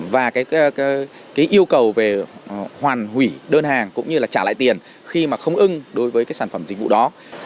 và cái yêu cầu về hoàn hủy đơn hàng cũng như là trả lại tiền khi mà không ưng đối với cái sản phẩm dịch vụ đó